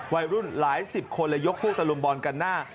วัยรุ่นหลายสิบคนเลยยกพวกตะลุมบอลกันหน้า